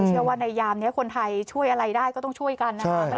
เชื่อว่าในยามนี้คนไทยช่วยอะไรได้ก็ต้องช่วยกันนะครับ